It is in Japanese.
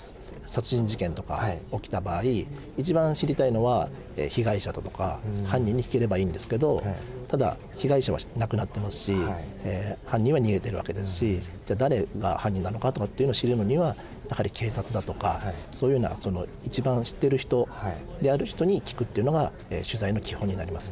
殺人事件とか起きた場合一番知りたいのは被害者だとか犯人に聞ければいいんですけどただ被害者は亡くなってますし犯人は逃げてるわけですしじゃあ誰が犯人なのかとかっていうのを知るのにはやはり警察だとかそういうふうな一番知ってる人である人に聞くっていうのが取材の基本になりますね。